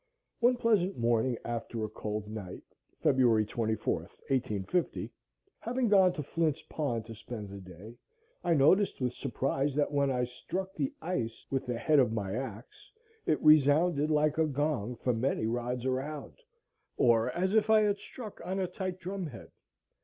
One pleasant morning after a cold night, February 24th, 1850, having gone to Flint's Pond to spend the day, I noticed with surprise, that when I struck the ice with the head of my axe, it resounded like a gong for many rods around, or as if I had struck on a tight drum head.